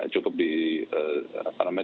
cukup di apa namanya